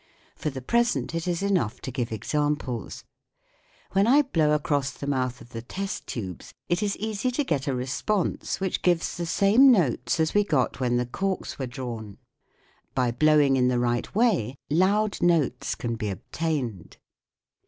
For the present it is enough to give examples. When I blow across the mouth of the 4 THE WORLD OF SOUND test tubes, it is easy to get a response which gives the same notes as we got when the corks were drawn. By blowing in the right way, loud notes can be obtained.